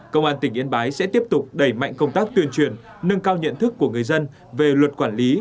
công an tỉnh yên bái sẽ tiếp tục đẩy mạnh công tác tuyên truyền nâng cao nhận thức của người dân về luật quản lý